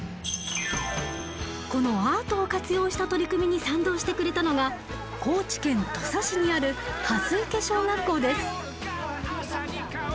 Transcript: このアートを活用した取り組みに賛同してくれたのが高知県土佐市にある蓮池小学校です。